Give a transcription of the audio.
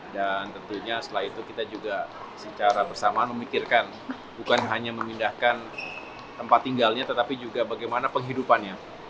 dan tentunya setelah itu kita juga secara bersamaan memikirkan bukan hanya memindahkan tempat tinggalnya tetapi juga bagaimana penghidupannya